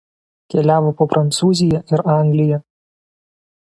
Keliavo po Prancūziją ir Angliją.